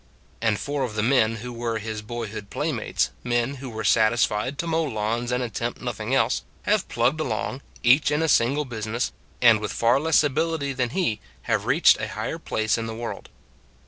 And four of the men who were his boyhood play mates men who were satisfied to mow lawns and attempt nothing else have plugged along, each in a single business, and with far less ability than he, have reached a higher place in the world.